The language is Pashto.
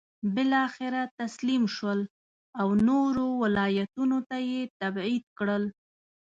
بالاخره تسلیم شول او نورو ولایتونو ته یې تبعید کړل.